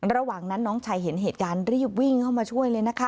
ระหว่างนั้นน้องชายเห็นเหตุการณ์รีบวิ่งเข้ามาช่วยเลยนะคะ